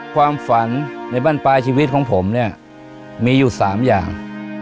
ความฝันในบ้านปลายชีวิตของผมเนี่ยมีอยู่๓อย่าง